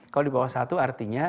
kalau di bawah satu artinya